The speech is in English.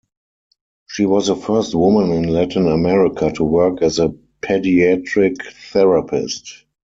She was the first woman in Latin America to work as a pediatric therapist.